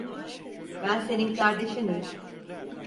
Ben senin kardeşinim.